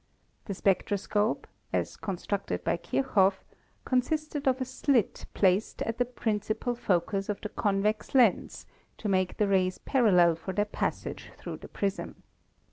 The spectroscope, as constructed by Kirchoff, consisted of a slit placed at the principal focus of the convex lens to make the rays parallel for their passage through the prism.